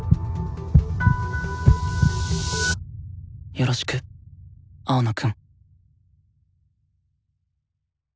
よろしく青野くん。